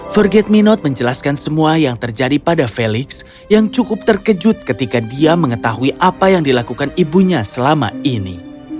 forget me not menjelaskan semua yang terjadi pada felix yang cukup terkejut ketika dia mengetahui apa yang dilakukan ibunya selama ini